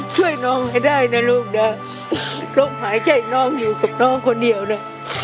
ช่วยน้องให้ได้นะลูกนะลมหายใจน้องอยู่กับน้องคนเดียวนะ